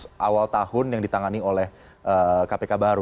ini adalah hal awal tahun yang ditangani oleh kpk baru